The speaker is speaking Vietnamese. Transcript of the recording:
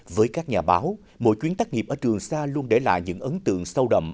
với các nhà báo mỗi chuyến tắt nghiệp ở trường sa luôn để lại những ấn tượng sâu đậm